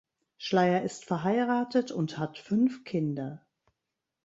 Schleyer ist verheiratet und hat fünf Kinder.